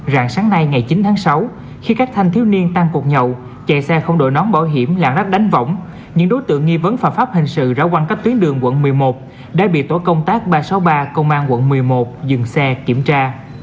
rạng sáng nay ngày chín tháng sáu khi các thanh thiếu niên tăng cột nhậu chạy xe không đội nón bảo hiểm lạng lách đánh võng những đối tượng nghi vấn phạm pháp hình sự rão quanh các tuyến đường quận một mươi một đã bị tổ công tác ba trăm sáu mươi ba công an quận một mươi một dừng xe kiểm tra